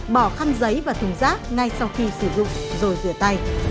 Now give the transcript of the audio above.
bỏ khăn giấy và thùng rác ngay sau khi sử dụng rồi rửa tay